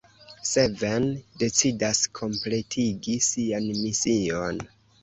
Seven decidas kompletigi sian mision.